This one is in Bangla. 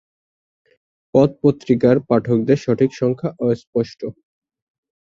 পথ পত্রিকার পাঠকদের সঠিক সংখ্যা অস্পষ্ট।